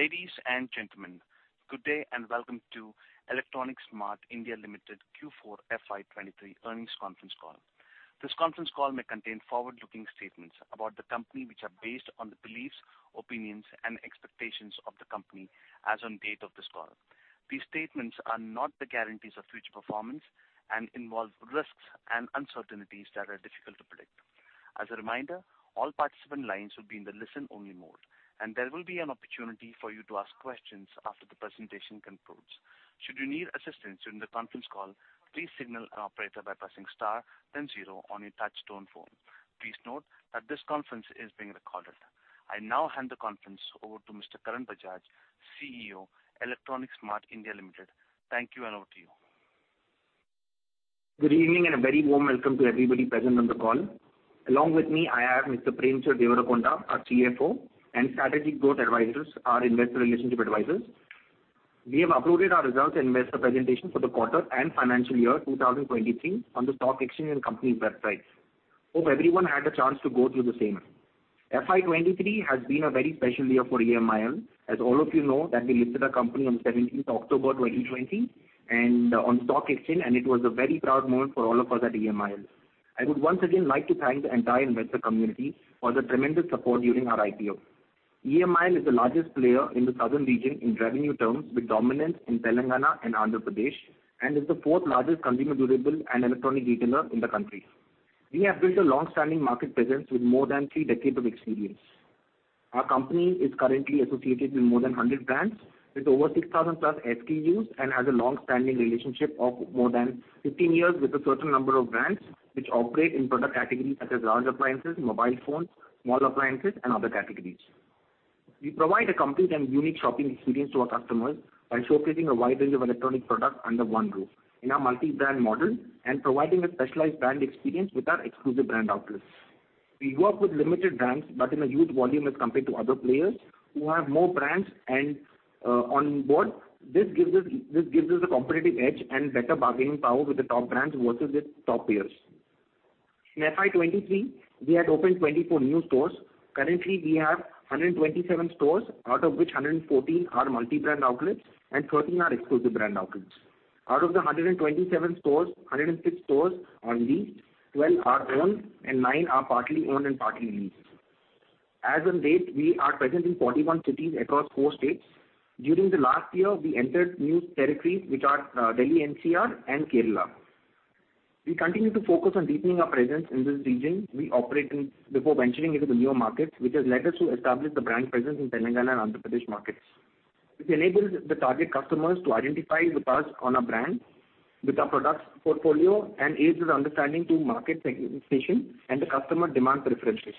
Ladies and gentlemen, good day, and welcome to Electronics Mart India Limited Q4 FY 2023 Earnings Conference Call. This conference call may contain forward-looking statements about the company, which are based on the beliefs, opinions, and expectations of the company as on date of this call. These statements are not the guarantees of future performance and involve risks and uncertainties that are difficult to predict. As a reminder, all participant lines will be in the listen-only mode, and there will be an opportunity for you to ask questions after the presentation concludes. Should you need assistance during the conference call, please signal an operator by pressing star then zero on your touchtone phone. Please note that this conference is being recorded. I now hand the conference over to Mr. Karan Bajaj, CEO, Electronics Mart India Limited. Thank you, and over to you. Good evening, and a very warm welcome to everybody present on the call. Along with me, I have Mr. Premchand Devarakonda, our CFO, and Strategic Growth Advisors, our investor relationship advisors. We have uploaded our results investor presentation for the quarter and financial year 2023 on the stock exchange and company's websites. Hope everyone had the chance to go through the same. FY 2023 has been a very special year for EMIL. As all of you know, that we listed our company on seventeenth October 2020, and on stock exchange, and it was a very proud moment for all of us at EMIL. I would once again like to thank the entire investor community for the tremendous support during our IPO. EMIL is the largest player in the southern region in revenue terms, with dominance in Telangana and Andhra Pradesh, and is the fourth largest consumer durable and electronic retailer in the country. We have built a long-standing market presence with more than three decades of experience. Our company is currently associated with more than 100 brands, with over 6,000+ SKUs, and has a long-standing relationship of more than 15 years with a certain number of brands, which operate in product categories such as large appliances, mobile phones, small appliances, and other categories. We provide a complete and unique shopping experience to our customers by showcasing a wide range of electronic products under one roof in our multi-brand model, and providing a specialized brand experience with our exclusive brand outlets. We work with limited brands, but in a huge volume as compared to other players who have more brands and on board, this gives us, this gives us a competitive edge and better bargaining power with the top brands versus its top peers. In FY 2023, we had opened 24 new stores. Currently, we have 127 stores, out of which 114 are multi-brand outlets and 13 are exclusive brand outlets. Out of the 127 stores, 106 stores on lease, 12 are owned and nine are partly owned and partly leased. As on date, we are present in 41 cities across four states. During the last year, we entered new territories, which are Delhi, NCR, and Kerala. We continue to focus on deepening our presence in this region we operate in before venturing into the newer markets, which has led us to establish the brand presence in Telangana and Andhra Pradesh markets, which enables the target customers to identify with us on a brand, with our products portfolio, and aids with understanding to market segmentation and the customer demand preferences.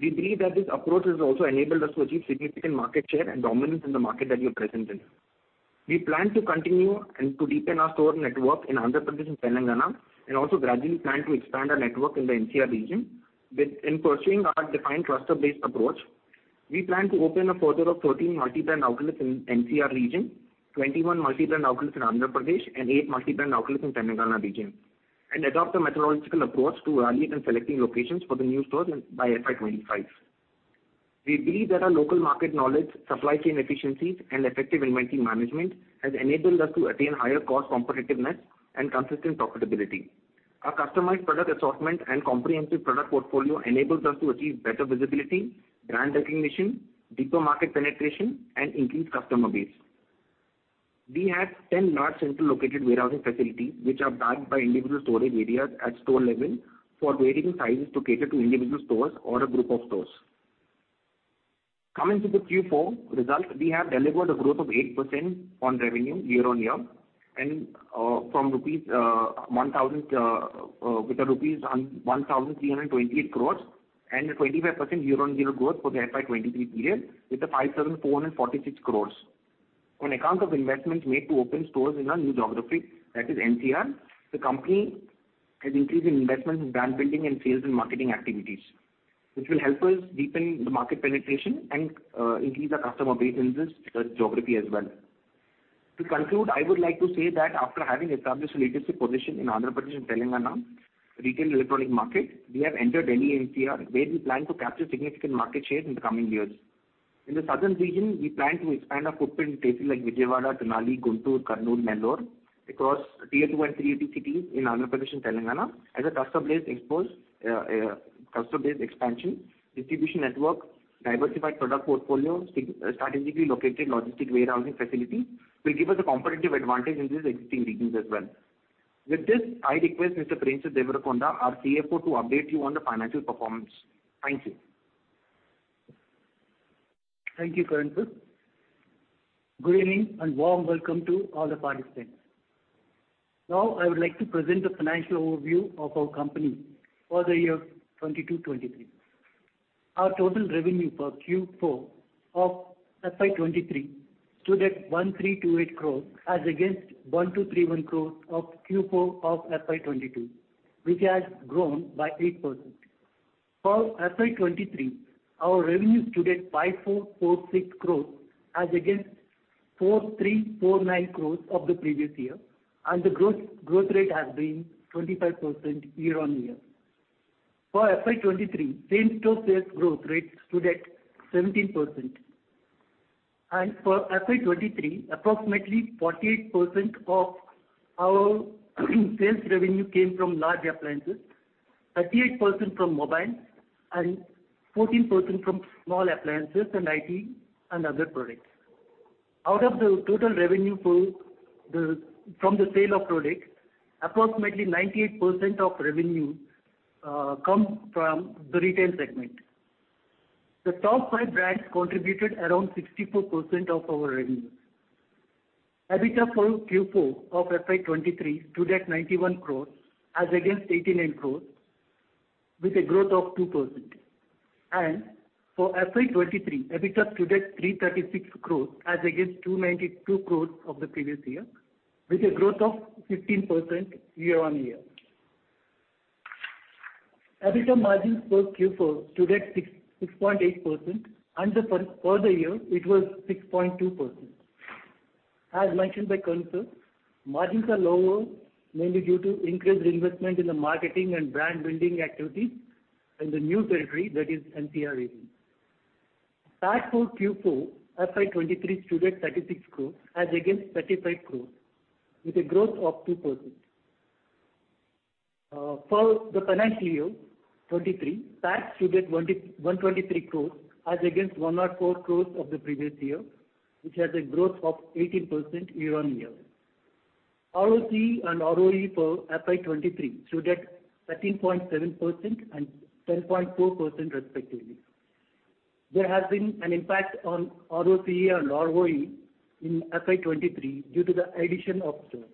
We believe that this approach has also enabled us to achieve significant market share and dominance in the market that we are present in. We plan to continue and to deepen our store network in Andhra Pradesh and Telangana, and also gradually plan to expand our network in the NCR region. In pursuing our defined cluster-based approach, we plan to open a further 13 multi-brand outlets in NCR region, 21 multi-brand outlets in Andhra Pradesh, and eight multi-brand outlets in Telangana region, and adopt a methodological approach to evaluate and selecting locations for the new stores by FY 2025. We believe that our local market knowledge, supply chain efficiencies, and effective inventory management has enabled us to attain higher cost competitiveness and consistent profitability. Our customized product assortment and comprehensive product portfolio enables us to achieve better visibility, brand recognition, deeper market penetration, and increase customer base. We have 10 large central located warehousing facilities, which are backed by individual storage areas at store level for varying sizes to cater to individual stores or a group of stores. Coming to the Q4 results, we have delivered a growth of 8% on revenue year-on-year and 1,328 crores rupees, and a 25% year-on-year growth for the FY 2023 period, with 5,446 crores. On account of investments made to open stores in our new geography, that is NCR, the company has increased investment in brand building and sales and marketing activities, which will help us deepen the market penetration and increase our customer base in this geography as well. To conclude, I would like to say that after having established a leadership position in Andhra Pradesh and Telangana retail electronic market, we have entered Delhi, NCR, where we plan to capture significant market share in the coming years. In the southern region, we plan to expand our footprint in places like Vijayawada, Tenali, Guntur, Kurnool, Nellore across tier two and three cities in Andhra Pradesh and Telangana as a cluster-based approach, cluster-based expansion, distribution network, diversified product portfolio, strategically located logistic warehousing facility, will give us a competitive advantage in these existing regions as well. With this, I request Mr. Premchand Devarakonda, our CFO, to update you on the financial performance. Thank you. Thank you, Karan, sir. Good evening, and warm welcome to all the participants. Now, I would like to present the financial overview of our company for the year 2022, 2023. Our total revenue for Q4 of FY 2023 stood at 1,328 crores, as against 1,231 crores of Q4 of FY 2022, which has grown by 8%. For FY 2023, our revenue stood at 5,446 crores, as against 4,349 crores of the previous year, and the growth, growth rate has been 25% year-on-year. ...For FY 2023, same-store sales growth rate stood at 17%, and for FY 2023, approximately 48% of our sales revenue came from large appliances, 38% from mobile, and 14% from small appliances, and IT, and other products. Out of the total revenue from the sale of product, approximately 98% of revenue comes from the retail segment. The top five brands contributed around 64% of our revenue. EBITDA for Q4 of FY 2023 stood at 91 crores, as against 89 crores, with a growth of 2%. And for FY 2023, EBITDA stood at 336 crores as against 292 crores of the previous year, with a growth of 15% year-on-year. EBITDA margins for Q4 stood at 6.8%, and for the year, it was 6.2%. As mentioned by Karan, margins are lower, mainly due to increased investment in the marketing and brand-building activities in the new territory, that is NCR. Tax for Q4, FY 2023, stood at 36 crore as against 35 crore, with a growth of 2%. For the financial year 2023, tax stood at 123 crore as against 104 crore of the previous year, which has a growth of 18% year-on-year. ROCE and ROE for FY 2023 stood at 13.7% and 10.4%, respectively. There has been an impact on ROCE and ROE in FY 2023 due to the addition of stores.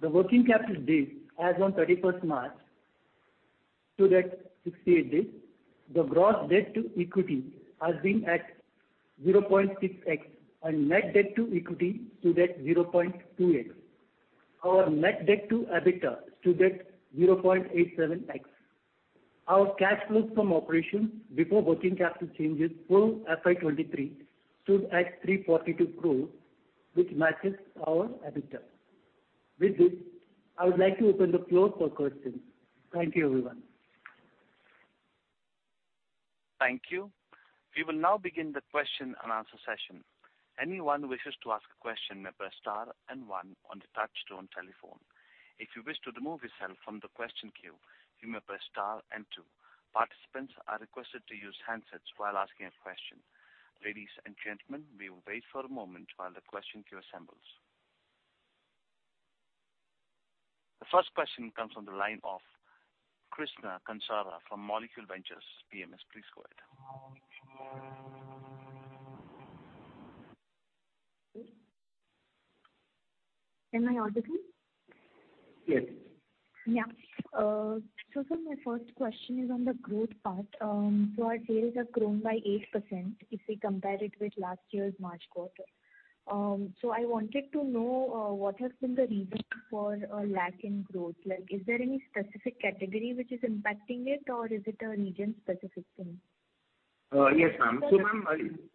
The working capital days, as on 31st March, stood at 68 days. The gross debt to equity has been at 0.6x, and net debt to equity stood at 0.2x. Our net debt to EBITDA stood at 0.87x. Our cash flows from operations before working capital changes for FY 2023 stood at 342 crore, which matches our EBITDA. With this, I would like to open the floor for questions. Thank you, everyone. Thank you. We will now begin the question and answer session. Anyone who wishes to ask a question may press star and one on the touchtone telephone. If you wish to remove yourself from the question queue, you may press star and two. Participants are requested to use handsets while asking a question. Ladies and gentlemen, we will wait for a moment while the question queue assembles. The first question comes from the line of Krishna Kansara from Molecule Ventures, PMS. Please go ahead. Am I audible? Yes. Yeah. So sir, my first question is on the growth part. So our sales have grown by 8% if we compare it with last year's March quarter. So I wanted to know, what has been the reason for a lack in growth? Like, is there any specific category which is impacting it, or is it a region-specific thing? Yes, ma'am. So, ma'am,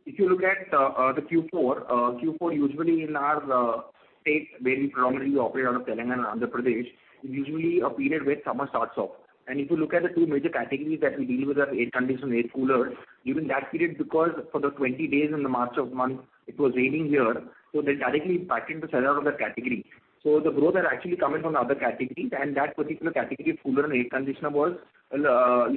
if you look at the Q4, Q4 usually in our state, where we predominantly operate out of Telangana and Andhra Pradesh, is usually a period where summer starts off. And if you look at the two major categories that we deal with are air conditioners and air coolers. During that period, because for the 20 days in the March of month, it was raining here, so they directly impacted the sell out of that category. So the growth had actually come in from the other categories, and that particular category of cooler and air conditioner was, you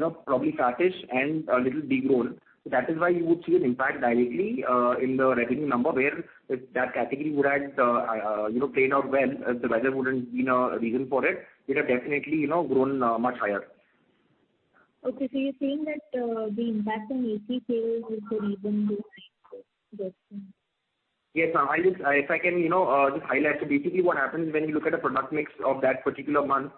know, probably fattish and a little de-grown. That is why you would see an impact directly in the revenue number, where if that category would had, you know, played out well, the weather wouldn't been a reason for it. It has definitely, you know, grown much higher. Okay. So you're saying that the impact on AC sales is the reason behind this? Yes, ma'am. I just, if I can, you know, just highlight. So basically, what happens when you look at the product mix of that particular month,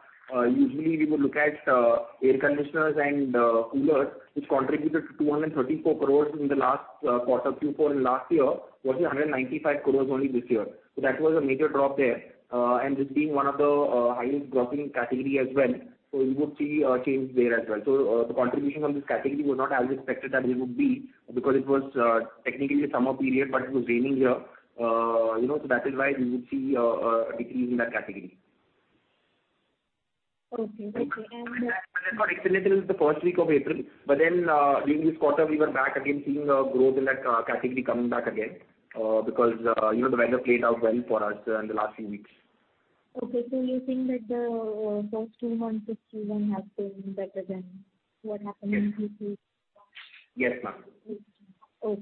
usually we would look at, air conditioners and, coolers, which contributed to 234 crores in the last, quarter, Q4, in last year, versus 195 crores only this year. So that was a major drop there. And this being one of the, highest growing category as well, so you would see a change there as well. So, the contribution from this category was not as expected as it would be, because it was, technically a summer period, but it was raining here. You know, so that is why we would see, a decrease in that category. Okay. Thank you. And that got extended till the first week of April. But then, during this quarter, we were back again seeing a growth in that category coming back again, because, you know, the weather played out well for us in the last few weeks. Okay, so you think that, first two months of Q1 have been better than what happened in Q2? Yes, ma'am. Okay.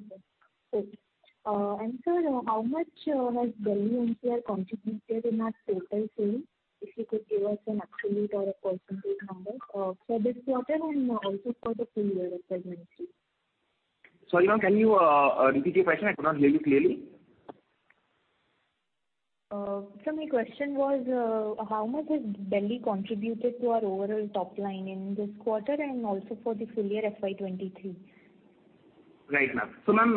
Okay. And sir, how much has Delhi NCR contributed in our total sales? If you could give us an absolute or a percentage number for this quarter and also for the full year as well, thank you. You know, can you repeat your question? I could not hear you clearly. Sir, my question was, how much has Delhi contributed to our overall top line in this quarter and also for the full year, FY 2023? Right, ma'am. So, ma'am,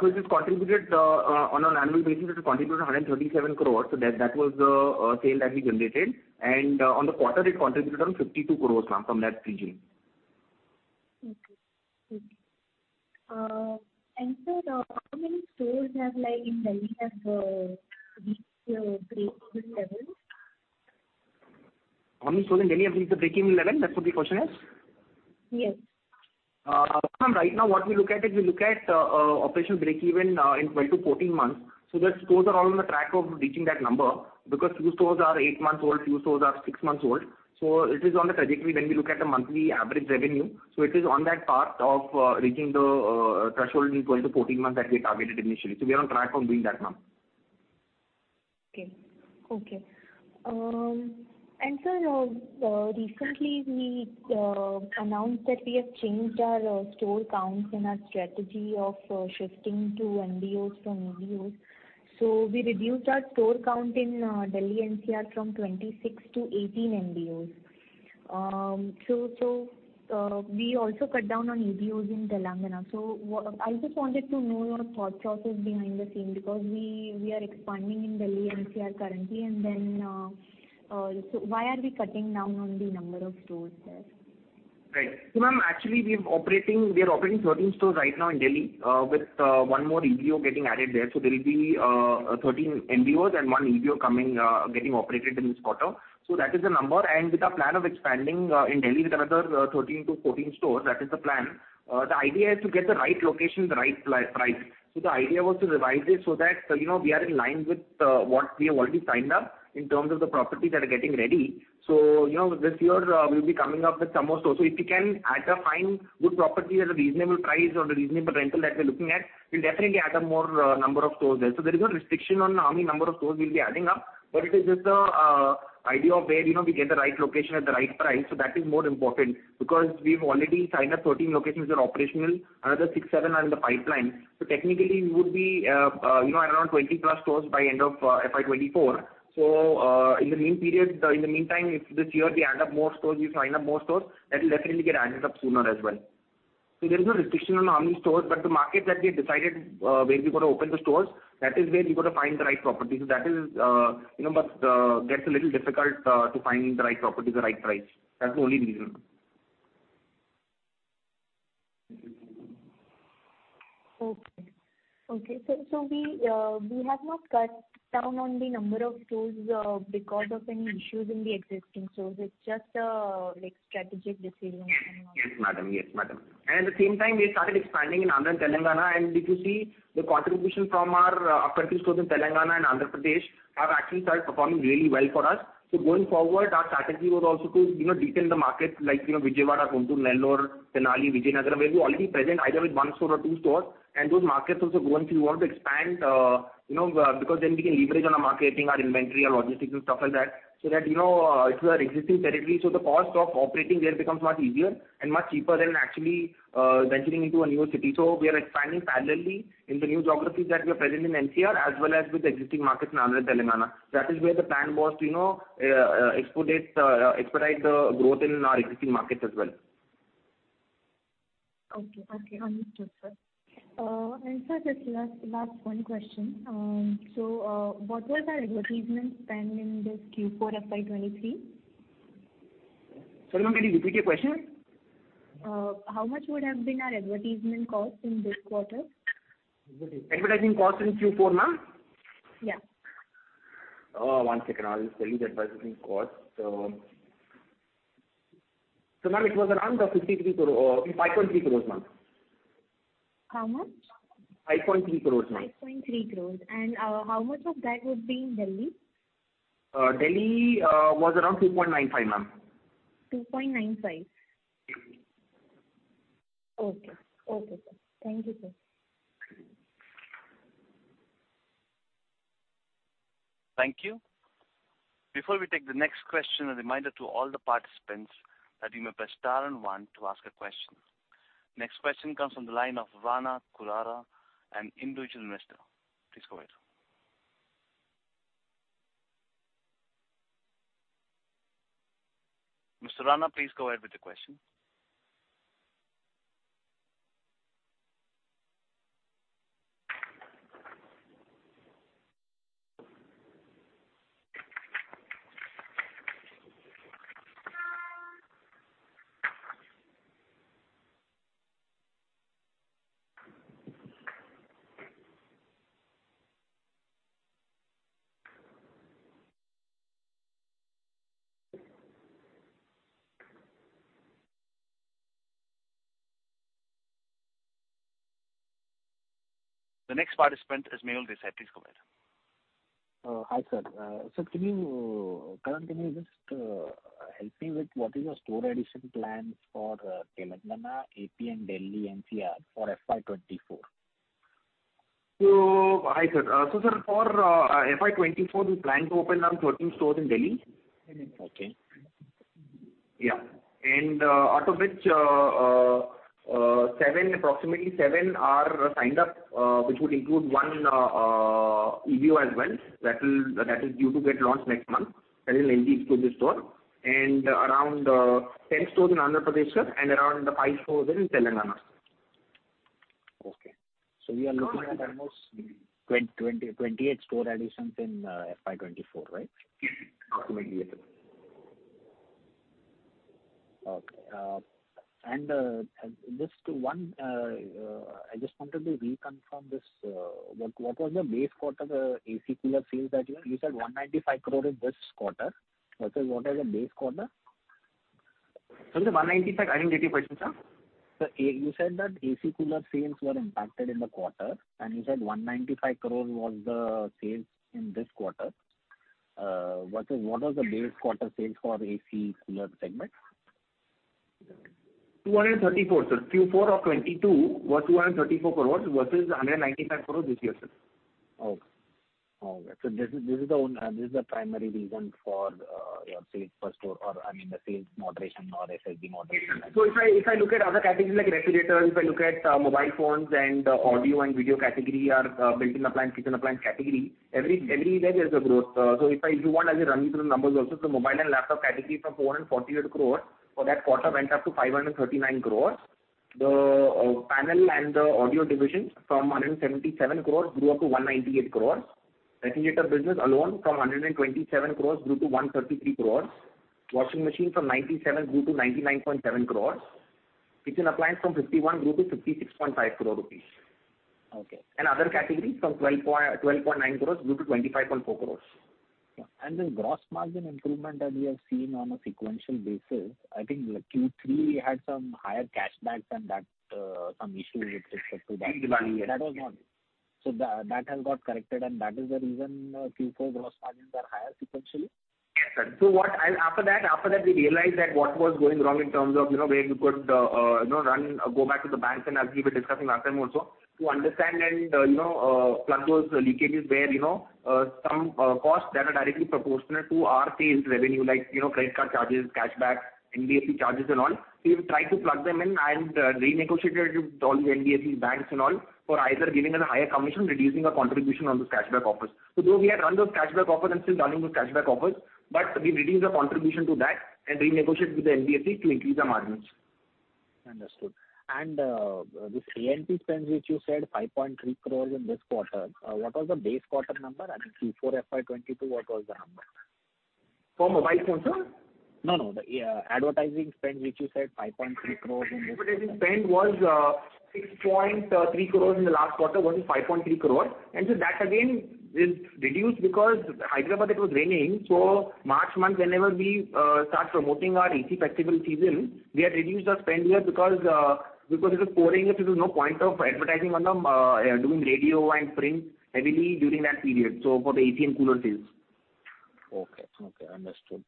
so it has contributed, on an annual basis, it has contributed 137 crores. So that, that was the sale that we generated. And, on the quarter, it contributed around 52 crores, ma'am, from that region.... Okay, good. And sir, how many stores have like in Delhi have reached the breakeven level? How many stores in Delhi have reached the breakeven level? That's what the question is? Yes. Ma'am, right now, what we look at is we look at operational breakeven in 12-14 months. So the stores are all on the track of reaching that number, because few stores are 8 months old, few stores are 6 months old. So it is on the trajectory when we look at the monthly average revenue. So it is on that path of reaching the threshold in 12-14 months that we targeted initially. So we are on track on doing that, ma'am. Okay, okay. And sir, recently, we announced that we have changed our store counts and our strategy of shifting to MBOs from EBOs. So we reduced our store count in Delhi NCR from 26 to 18 MBOs. So we also cut down on EBOs in Telangana. So what—I just wanted to know your thought process behind the scenes, because we are expanding in Delhi NCR currently, and then, so why are we cutting down on the number of stores there? Right. So, ma'am, actually, we are operating, we are operating 13 stores right now in Delhi, with 1 more EBO getting added there. So there will be 13 MBOs and 1 EBO coming, getting operated in this quarter. So that is the number. And with the plan of expanding in Delhi with another 13-14 stores, that is the plan. The idea is to get the right location, the right price. So the idea was to revise this so that, you know, we are in line with what we have already signed up in terms of the properties that are getting ready. So, you know, this year, we'll be coming up with some more stores. So if you can add or find good property at a reasonable price or the reasonable rental that we're looking at, we'll definitely add more number of stores there. So there is no restriction on how many number of stores we'll be adding up, but it is just idea of where, you know, we get the right location at the right price. So that is more important, because we've already signed up 13 locations that are operational, another 6-7 are in the pipeline. So technically, we would be, you know, around 20+ stores by end of FY 2024. So, in the meantime, if this year we add up more stores, we sign up more stores, that will definitely get added up sooner as well. So there is no restriction on how many stores, but the market that we decided, where we're going to open the stores, that is where we've got to find the right property. So that is, you know, but gets a little difficult to find the right property at the right price. That's the only reason. Okay. Okay, so we have not cut down on the number of stores because of any issues in the existing stores. It's just a, like, strategic decision. Yes, madam. Yes, madam. And at the same time, we started expanding in Andhra and Telangana, and if you see, the contribution from our country stores in Telangana and Andhra Pradesh have actually started performing really well for us. So going forward, our strategy was also to, you know, deepen the market, like, you know, Vijayawada, Guntur, Nellore, Tenali, Vizianagaram, where we're already present either with one store or two stores. And those markets also go on to want to expand, you know, because then we can leverage on our marketing, our inventory, our logistics and stuff like that, so that, you know, it's our existing territory, so the cost of operating there becomes much easier and much cheaper than actually venturing into a new city. We are expanding parallelly in the new geographies that we are present in NCR, as well as with the existing markets in Andhra and Telangana. That is where the plan was to, you know, expedite the growth in our existing markets as well. Okay, okay. Understood, sir. And sir, just last, last one question. So, what was our advertisement spend in this Q4 FY 2023? Sorry, ma'am, can you repeat the question? How much would have been our advertisement cost in this quarter? Advertising cost in Q4, ma'am? Yeah. One second, I'll tell you the advertising cost. So, ma'am, it was around 5.3 crores, ma'am. How much? 5.3 crore, ma'am. 5.3 crore. And, how much of that would be in Delhi? Delhi was around 2.95, ma'am. 2.95. Yes. Okay. Okay, sir. Thank you, sir. Thank you. Before we take the next question, a reminder to all the participants that you may press star and one to ask a question. Next question comes from the line of Rana Khurana, an individual investor. Please go ahead. Mr. Rana, please go ahead with the question. The next participant is Mehul Desai. Please go ahead. Hi, sir. Sir, can you just help me with what is your store addition plans for Telangana, AP and Delhi NCR for FY 2024? Hi, sir. Sir, for FY 2024, we plan to open around 13 stores in Delhi. Okay. Yeah, and out of which, 7, approximately 7 are signed up, which would include 1 EBO as well. That will. That is due to get launched next month, that is in store. And around 10 stores in Andhra Pradesh, sir, and around 5 stores in Telangana.... Okay. So we are looking at almost 20-28 store additions in FY 24, right? Okay, and I just wanted to reconfirm this, what was the base quarter, the AC cooler sales that you had? You said 195 crore in this quarter, what is the base quarter? The 195, I didn't get you, sir. Sir, you said that AC cooler sales were impacted in the quarter, and you said 195 crore was the sales in this quarter. What is, what was the base quarter sales for AC cooler segment? 234, sir. Q4 of 2022 was 234 crore versus 195 crore this year, sir. Okay. All right, so this is, this is the one, this is the primary reason for your sales per store or, I mean, the sales moderation or SSG moderation. So if I look at other categories like refrigerator, if I look at mobile phones and audio and video category or built-in appliance, kitchen appliance category, everywhere there is a growth. So if you want, I'll just run you through the numbers also. So mobile and laptop category from 448 crore for that quarter went up to 539 crore. The panel and the audio division from 177 crore grew up to 198 crore. Refrigerator business alone from 127 crore grew to 133 crore. Washing machine from 97 crore grew to 99.7 crore. Kitchen appliance from 51 crore rupees grew to 66.5 crore rupees. Okay. Other categories from 12.129 crores grew to 25.4 crores. Yeah. And the gross margin improvement that we have seen on a sequential basis, I think, like, Q3 had some higher cashback and that, some issue with respect to that. Exactly. That was not. So the, that has got corrected, and that is the reason, Q4 gross margins are higher sequentially? Yes, sir. So after that, we realized that what was going wrong in terms of, you know, where we could go back to the banks, and as we were discussing last time also, to understand and, you know, plug those leakages where, you know, some costs that are directly proportional to our sales revenue, like, you know, credit card charges, cashback, NBFC charges and all. We've tried to plug them in and renegotiated with all the NBFC banks and all, for either giving a higher commission, reducing our contribution on those cashback offers. So though we have run those cashback offers and still running those cashback offers, but we've reduced the contribution to that and renegotiate with the NBFC to increase our margins. Understood. And, this A&P spend, which you said 5.3 crore in this quarter, what was the base quarter number? I think Q4 FY2022, what was the number? For mobile phones, sir? No, no. The advertising spend, which you said 5.3 crore. Advertising spend was 6.3 crores in the last quarter, versus 5.3 crore. And so that again is reduced because Hyderabad, it was raining. So March month, whenever we start promoting our AC festival season, we have reduced our spend here because because it is pouring, there is no point of advertising on the doing radio and print heavily during that period, so for the AC and cooler sales. Okay, okay, understood.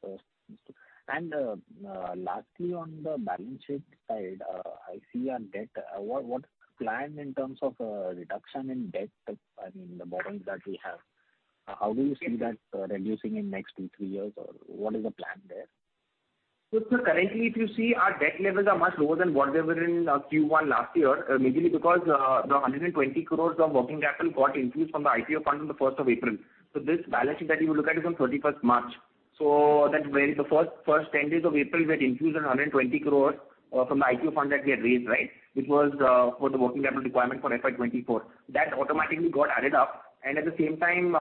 Lastly, on the balance sheet side, I see our debt. What plan in terms of reduction in debt, I mean, the borrowings that we have, how do you see that reducing in next two, three years, or what is the plan there? So, sir, currently, if you see, our debt levels are much lower than what they were in Q1 last year, mainly because the 120 crore of working capital got increased from the IPO fund on the first of April. This balance sheet that you look at is on thirty-first March. That's where the first ten days of April, we had infused 120 crore from the IPO fund that we had raised, right? Which was for the working capital requirement for FY 2024. That automatically got added up, and at the same time,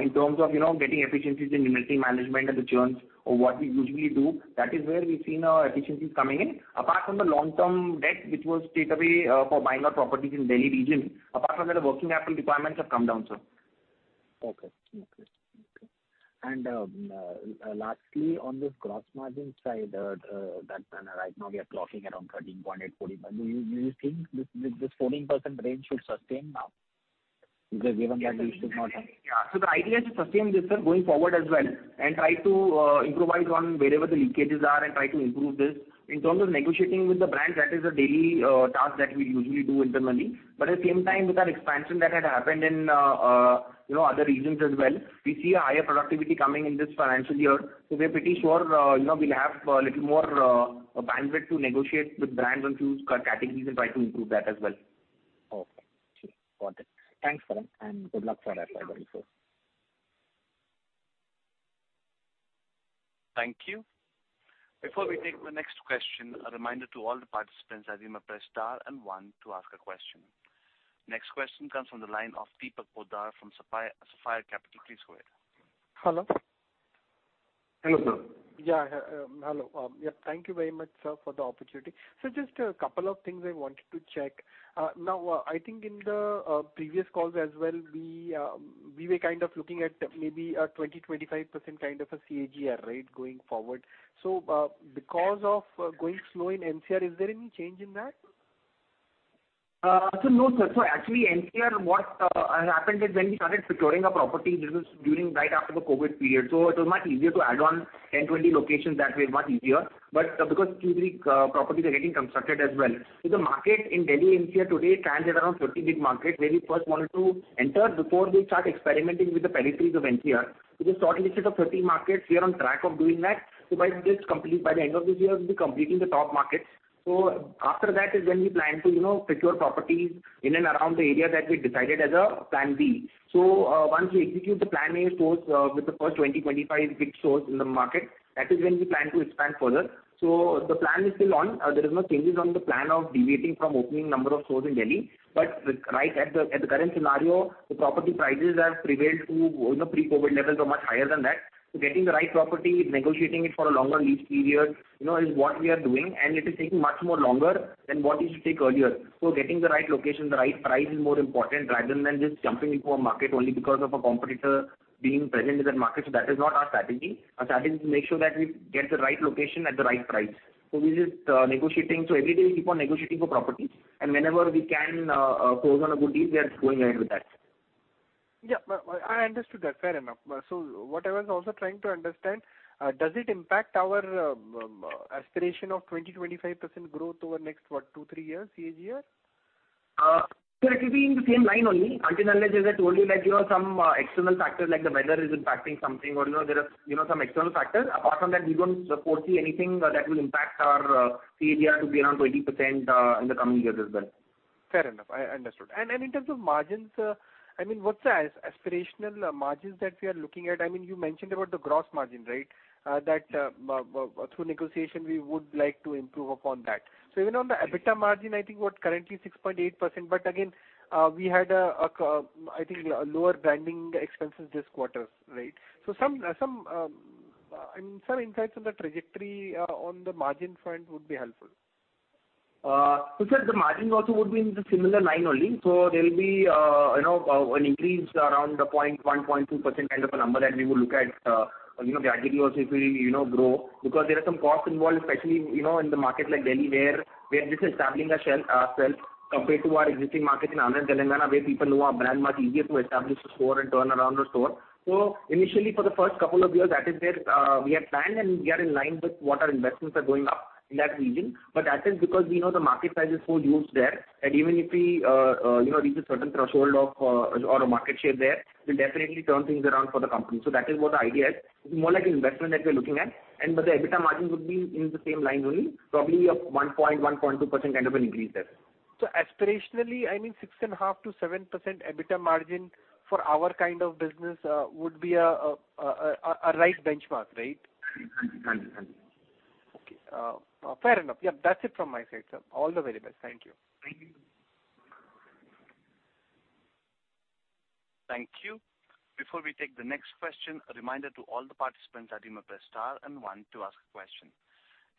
in terms of, you know, getting efficiencies in inventory management and the churns or what we usually do, that is where we've seen our efficiencies coming in. Apart from the long-term debt, which was straightaway for buying our properties in Delhi region, apart from that, the working capital requirements have come down, sir. Okay. Okay. And, lastly, on this gross margin side, that right now we are clocking around 13.8-14, do you think this 14% range should sustain now? Because given that we should not have- Yeah, so the idea is to sustain this, sir, going forward as well, and try to improvise on wherever the leakages are and try to improve this. In terms of negotiating with the brand, that is a daily task that we usually do internally. But at the same time, with our expansion that had happened in, you know, other regions as well, we see a higher productivity coming in this financial year. So we're pretty sure, you know, we'll have a little more bandwidth to negotiate with brands on few categories and try to improve that as well. Okay. Got it. Thanks, Varun, and good luck for FY 2024. Thank you. Before we take the next question, a reminder to all the participants that you may press Star and One to ask a question. Next question comes from the line of Deepak Poddar from Sapphire Capital. Hello? Hello, sir. Yeah, hello. Yeah, thank you very much, sir, for the opportunity. So just a couple of things I wanted to check. Now, I think in the previous calls as well, we were kind of looking at maybe a 20-25% kind of a CAGR rate going forward. So, because of going slow in NCR, is there any change in that? So no, sir. So actually, NCR, what happened is when we started securing our properties, this was during right after the COVID period, so it was much easier to add on 10, 20 locations that way, much easier. But because few, three properties are getting constructed as well. So the market in Delhi, NCR today, stands at around 30 big markets, where we first wanted to enter before we start experimenting with the peripheries of NCR. So we shortlisted the 30 markets, we are on track of doing that. So by this complete, by the end of this year, we'll be completing the top markets. So after that is when we plan to, you know, secure properties in and around the area that we decided as a plan B. So, once we execute the plan A stores with the first 20-25 big stores in the market, that is when we plan to expand further. So the plan is still on. There is no changes on the plan of deviating from opening number of stores in Delhi. But right at the current scenario, the property prices have prevailed to, you know, pre-COVID levels or much higher than that. So getting the right property, negotiating it for a longer lease period, you know, is what we are doing, and it is taking much more longer than what it used to take earlier. So getting the right location, the right price, is more important rather than just jumping into a market only because of a competitor being present in that market. So that is not our strategy. Our strategy is to make sure that we get the right location at the right price. We're just negotiating. Every day we keep on negotiating for properties, and whenever we can close on a good deal, we are going ahead with that. ... Yeah, I, I understood that. Fair enough. So what I was also trying to understand, does it impact our aspiration of 20%-25% growth over the next, what, two, three years, CAGR? It will be in the same line only. Until now, as I told you, like, you know, some external factors like the weather is impacting something, or, you know, there are, you know, some external factors. Apart from that, we don't foresee anything that will impact our CAGR to be around 20% in the coming years as well. Fair enough. I understood. And in terms of margins, I mean, what's the aspirational margins that we are looking at? I mean, you mentioned about the gross margin, right? That through negotiation, we would like to improve upon that. So even on the EBITDA margin, I think, what, currently 6.8%, but again, we had, I think, a lower branding expenses this quarter, right? So some insights on the trajectory on the margin front would be helpful. So sir, the margin also would be in the similar line only. So there'll be, you know, an increase around a point, 1.2% kind of a number, and we will look at, you know, gradually also if we, you know, grow. Because there are some costs involved, especially, you know, in the market like Delhi, where we are just establishing ourselves compared to our existing market in Andhra and Telangana, where people know our brand, much easier to establish a store and turn around a store. So initially, for the first couple of years, that is where we had planned, and we are in line with what our investments are going up in that region. But that is because we know the market size is so huge there, and even if we, you know, reach a certain threshold of, or a market share there, we'll definitely turn things around for the company. So that is what the idea is. More like an investment that we're looking at, and but the EBITDA margin would be in the same line only, probably a 1-1.2% kind of an increase there. So aspirationally, I mean, 6.5%-7% EBITDA margin for our kind of business would be a right benchmark, right? Right. Right. Right. Okay, fair enough. Yep, that's it from my side, sir. All the very best. Thank you. Thank you. Thank you. Before we take the next question, a reminder to all the participants that press star and one to ask a question.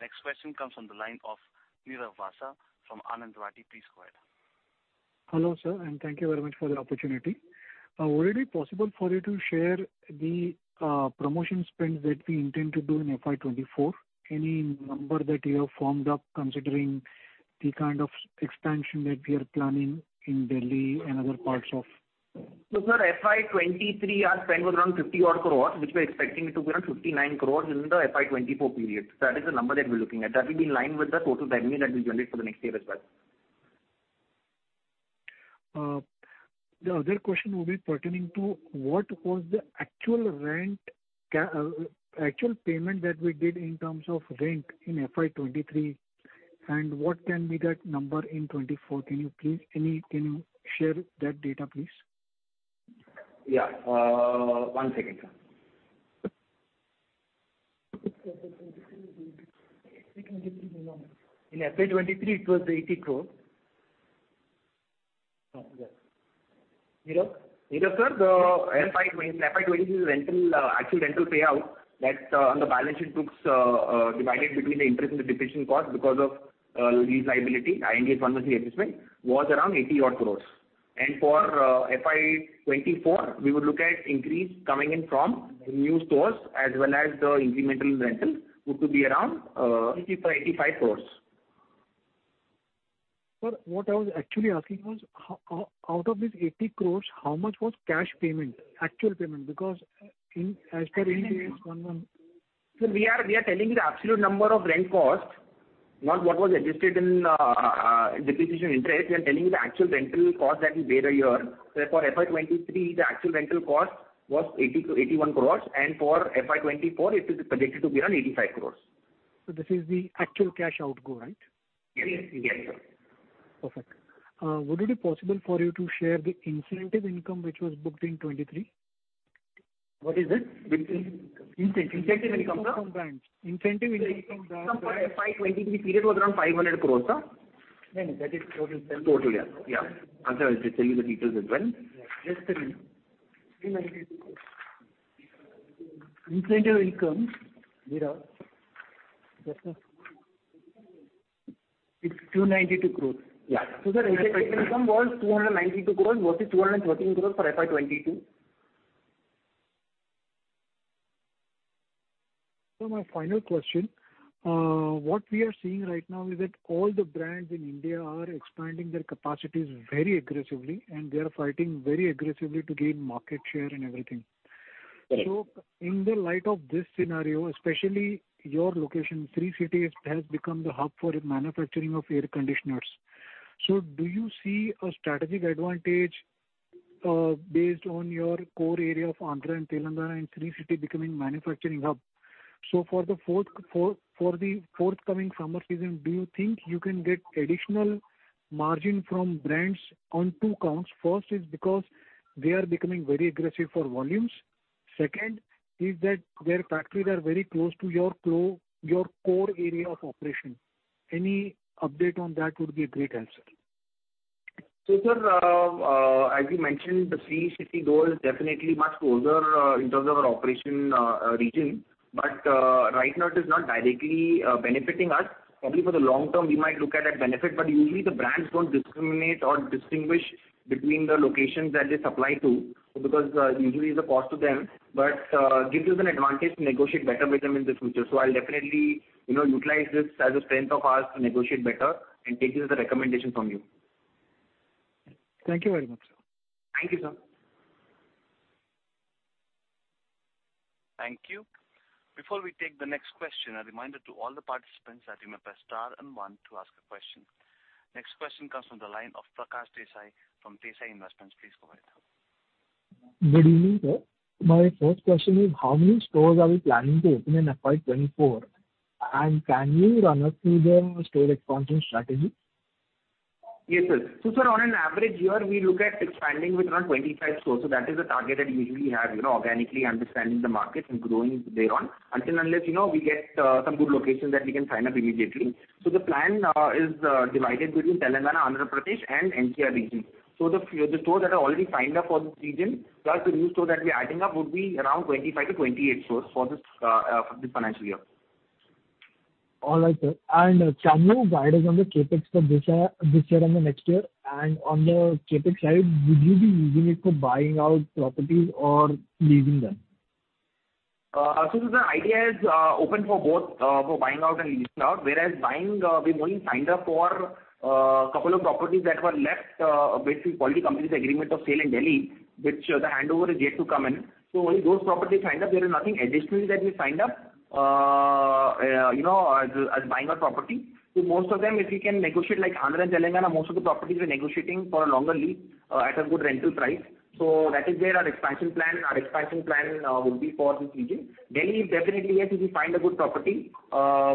Next question comes from the line of Nirav Vasa from Anand Rathi Peace Square. Hello, sir, and thank you very much for the opportunity. Would it be possible for you to share the promotion spend that we intend to do in FY 2024? Any number that you have formed up, considering the kind of expansion that we are planning in Delhi and other parts of- Sir, FY 2023, our spend was around 50-odd crore, which we're expecting it to be around 59 crore in the FY 2024 period. That is the number that we're looking at. That will be in line with the total revenue that we generate for the next year as well. The other question will be pertaining to what was the actual rent, actual payment that we did in terms of rent in FY 2023, and what can be that number in 2024? Can you please, can you share that data, please? Yeah. One second, sir. In FY 2023, it was 80 crore. Oh, yeah. Nirav? Nirav, sir, the FY 2022 rental, actual rental payout that, on the balance sheet looks, divided between the interest and the depreciation cost because of, lease liability, Ind AS 116 was the assessment, was around 80 crore. And for, FY 2024, we would look at increase coming in from new stores as well as the incremental rentals, which could be around, 85 crore. Sir, what I was actually asking was, out of this 80 crore, how much was cash payment, actual payment? Because, as per Ind AS one, one- Sir, we are, we are telling the absolute number of rent costs, not what was adjusted in depreciation interest. We are telling you the actual rental cost that we paid a year. So for FY 2023, the actual rental cost was 80-81 crores, and for FY 2024, it is predicted to be around 85 crores. This is the actual cash outgo, right? Yes. Yes, sir. Perfect. Would it be possible for you to share the incentive income which was booked in 23? What is it? Incentive. Incentive income, sir. From brands. Incentive income from brands. From FY 2023 period was around 500 crore, sir. No, that is total. Total, yeah. Yeah. Ansa, I'll just tell you the details as well. Just a minute. Incentive income, Nirav, it's INR 292 crore. Yeah. The incentive income was INR 292 crore versus INR 213 crore for FY 2022. So my final question, what we are seeing right now is that all the brands in India are expanding their capacities very aggressively, and they are fighting very aggressively to gain market share and everything. Right. In the light of this scenario, especially your location, Sri City, has become the hub for the manufacturing of air conditioners. Do you see a strategic advantage based on your core area of Andhra and Telangana, and Sri City becoming manufacturing hub? For the forthcoming summer season, do you think you can get additional margin from brands on two counts? First is because they are becoming very aggressive for volumes. Second is that their factories are very close to your core area of operation. Any update on that would be a great help, sir. So, sir, as you mentioned, the Sri City goal is definitely much closer, in terms of our operation, region. But, right now it is not directly, benefiting us. Probably for the long term, we might look at that benefit, but usually the brands don't discriminate or distinguish between the locations that they supply to, because, usually it's a cost to them, but, gives us an advantage to negotiate better with them in the future. So I'll definitely, you know, utilize this as a strength of ours to negotiate better and take this as a recommendation from you. Thank you very much, sir. Thank you, sir. ...Before we take the next question, a reminder to all the participants that you may press star and one to ask a question. Next question comes from the line of Prakash Desai from Desai Investments. Please go ahead. Good evening, sir. My first question is, how many stores are we planning to open in FY 2024? And can you run us through the store expansion strategy? Yes, sir. So sir, on an average year, we look at expanding with around 25 stores. So that is the target that usually we have, you know, organically understanding the market and growing there on, until, unless, you know, we get some good locations that we can sign up immediately. So the plan is divided between Telangana, Andhra Pradesh, and NCR region. So the stores that are already signed up for this region, plus the new store that we're adding up, would be around 25-28 stores for this financial year. All right, sir. Can you guide us on the CapEx for this year, this year and the next year? On the CapEx side, would you be using it for buying out properties or leasing them? So the idea is open for both for buying out and leasing out. Whereas buying, we've only signed up for a couple of properties that were left with the Kwality company's agreement of sale in Delhi, which the handover is yet to come in. So only those properties signed up, there is nothing additional that we signed up, you know, as buying a property. So most of them, if we can negotiate, like, Andhra and Telangana, most of the properties we're negotiating for a longer lease at a good rental price. So that is where our expansion plan, our expansion plan, will be for this region. Delhi, definitely, yes, if we find a good property,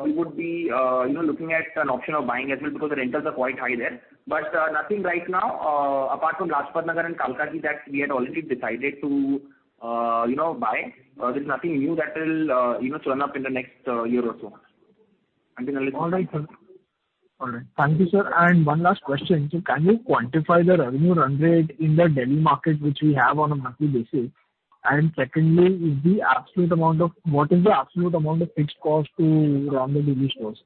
we would be, you know, looking at an option of buying as well, because the rentals are quite high there. But, nothing right now, apart from Lajpat Nagar and Kalkaji, that we had already decided to, you know, buy. There's nothing new that will, you know, turn up in the next year or so. Until unless- All right, sir. All right. Thank you, sir. And one last question: so can you quantify the revenue run rate in the Delhi market, which we have on a monthly basis? And secondly, is the absolute amount of-- what is the absolute amount of fixed cost to run the Delhi stores?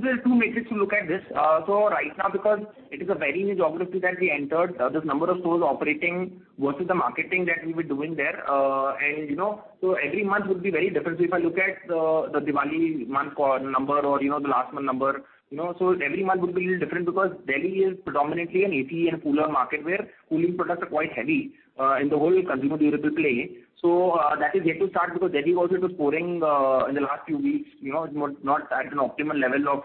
There are two metrics to look at this. So right now, because it is a very new geography that we entered, the number of stores operating versus the marketing that we were doing there, and, you know, so every month would be very different. So if I look at, the Diwali month or number or, you know, the last month number, you know, so every month would be little different because Delhi is predominantly an AC and cooler market, where cooling products are quite heavy, in the whole consumer durable play. So, that is yet to start because Delhi also was pouring, in the last few weeks, you know, not, not at an optimal level of,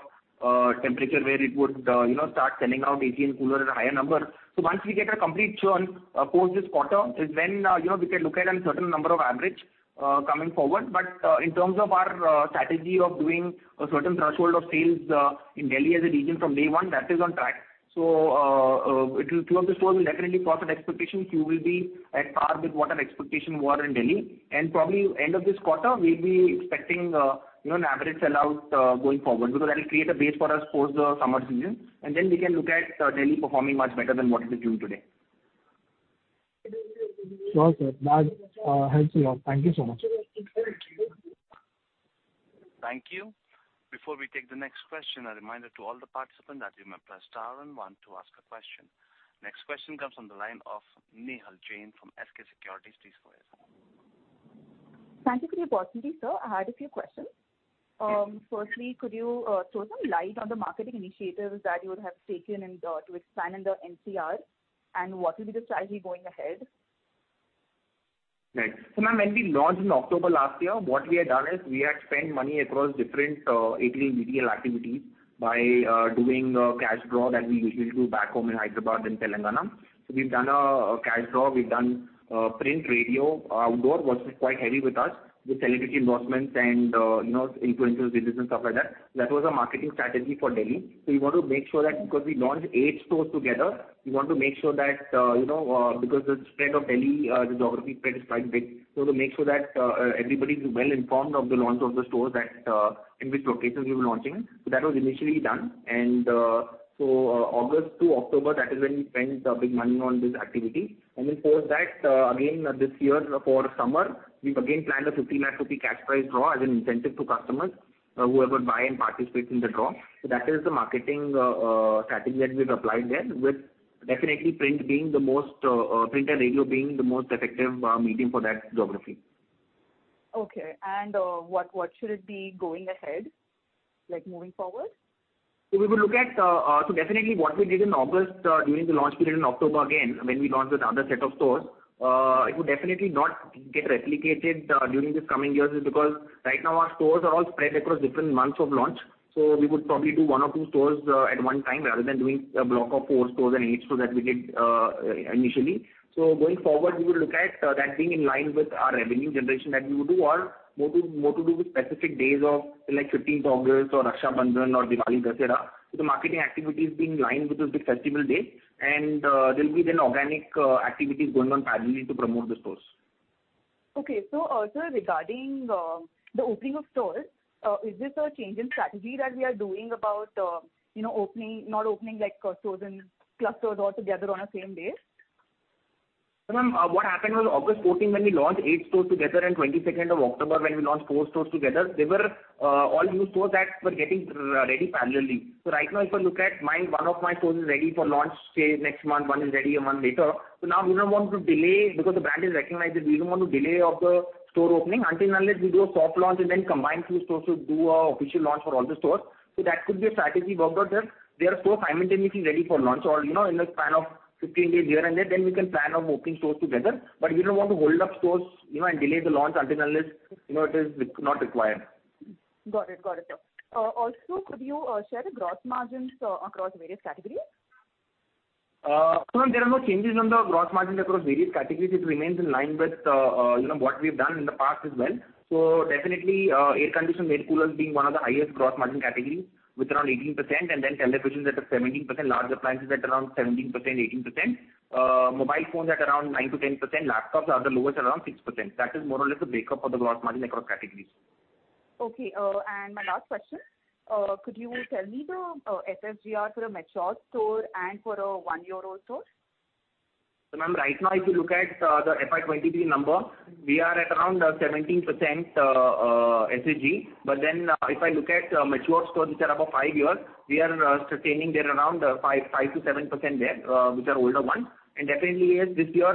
temperature, where it would, you know, start selling out AC and cooler at a higher number. So once we get a complete churn, post this quarter, is when, you know, we can look at a certain number of average, coming forward. But, in terms of our, strategy of doing a certain threshold of sales, in Delhi as a region from day one, that is on track. So, two of the stores will definitely cross our expectation. Few will be at par with what our expectation were in Delhi. Probably end of this quarter, we'll be expecting, you know, an average sell out, going forward, because that will create a base for us post the summer season, and then we can look at, Delhi performing much better than what it is doing today. Sure, sir. That helps a lot. Thank you so much. Thank you. Before we take the next question, a reminder to all the participants that you may press star and one to ask a question. Next question comes from the line of Nehal Jain from SK Securities. Please go ahead. Thank you for the opportunity, sir. I had a few questions. Firstly, could you throw some light on the marketing initiatives that you would have taken and to expand in the NCR? What will be the strategy going ahead? Right. So, ma'am, when we launched in October last year, what we had done is, we had spent money across different ATL media activities by doing cash draw that we usually do back home in Hyderabad and Telangana. So we've done a cash draw, we've done print, radio, outdoor, which is quite heavy with us, with celebrity endorsements and, you know, influential videos and stuff like that. That was our marketing strategy for Delhi. So we want to make sure that because we launched eight stores together, we want to make sure that, you know, because the spread of Delhi, the geography spread is quite big. So to make sure that everybody is well informed of the launch of the stores that in which locations we were launching. So that was initially done. And, so, August to October, that is when we spent a big money on this activity. And then post that, again, this year, for summer, we've again planned a 50 lakh rupee cash prize draw as an incentive to customers, whoever buy and participates in the draw. So that is the marketing, strategy that we've applied there, with definitely print being the most, print and radio being the most effective, medium for that geography. Okay. And, what, what should it be going ahead, like moving forward? So we will look at, so definitely what we did in August, during the launch period in October, again, when we launched with other set of stores, it would definitely not get replicated, during this coming years, is because right now our stores are all spread across different months of launch. So we would probably do 1 or 2 stores, at one time, rather than doing a block of 4 stores and 8 stores that we did, initially. So going forward, we will look at, that being in line with our revenue generation that we would do or more to, more to do with specific days of like 15 August or Raksha Bandhan or Diwali, Dussehra. So the marketing activity is being in line with the big festival days, and there will be then organic activities going on parallelly to promote the stores. Okay. So, sir, regarding the opening of stores, is this a change in strategy that we are doing about, you know, opening—not opening, like, stores and clusters all together on a same day? Ma'am, what happened was August 14, when we launched 8 stores together, and the 22nd of October, when we launched 4 stores together, they were all new stores that were getting ready parallelly. So right now, if I look at my one of my stores is ready for launch, say, next month, one is ready a month later. So now we don't want to delay, because the brand is recognized, we don't want to delay of the store opening until and unless we do a soft launch and then combine few stores to do an official launch for all the stores. So that could be a strategy, but, but, they are so simultaneously ready for launch or, you know, in the span of 15 days here and there, then we can plan on opening stores together. But we don't want to hold up stores, you know, and delay the launch until unless, you know, it is not required.... Got it, got it, sir. Also, could you share the gross margins across various categories? So there are no changes on the gross margin across various categories. It remains in line with, you know, what we've done in the past as well. So definitely, air conditioners and air coolers being one of the highest gross margin categories, with around 18%, and then televisions at 17%, large appliances at around 17%-18%. Mobile phones at around 9%-10%. Laptops are the lowest, around 6%. That is more or less the breakup for the gross margin across categories. Okay, and my last question, could you tell me the SSGR for a mature store and for a one-year-old store? So, ma'am, right now, if you look at the FY 2023 number, we are at around 17% SSG. But then, if I look at mature stores which are above five years, we are sustaining there around 5%-7% there, which are older ones. And definitely, yes, this year,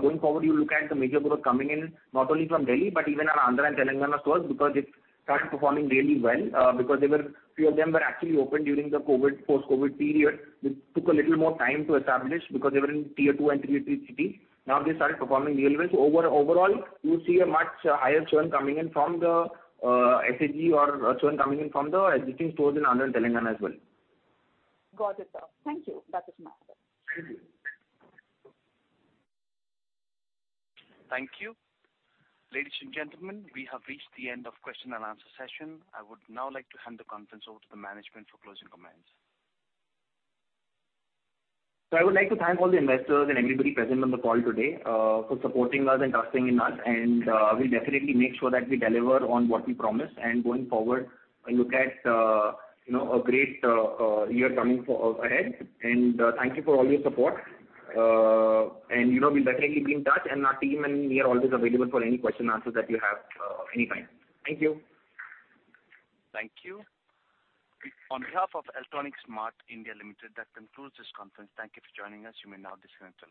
going forward, you look at the major growth coming in, not only from Delhi, but even Andhra and Telangana stores, because it started performing really well. Because they were few of them were actually opened during the COVID, post-COVID period, which took a little more time to establish because they were in tier two and tier three cities. Now they started performing really well. Overall, you see a much higher churn coming in from the SSG or churn coming in from the existing stores in Andhra and Telangana as well. Got it, sir. Thank you. That is my question. Thank you. Thank you. Ladies and gentlemen, we have reached the end of question and answer session. I would now like to hand the conference over to the management for closing comments. So I would like to thank all the investors and everybody present on the call today for supporting us and trusting in us. We'll definitely make sure that we deliver on what we promised, and going forward, look at you know a great year coming for ahead. Thank you for all your support. You know, we'll definitely be in touch, and our team and we are always available for any question and answers that you have of any kind. Thank you. Thank you. On behalf of Electronics Mart India Limited, that concludes this conference. Thank you for joining us. You may now disconnect the line.